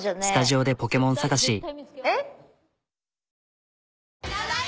スタジオでポケモン探し。